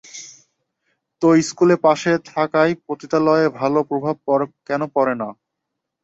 তো স্কুল পাশে থাকায় পতিতালয়ে ভালো প্রভাব কেনো পড়ে না?